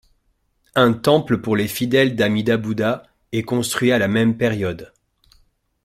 Un temple pour les fidèles d'Amida Buddha est construit à la même période.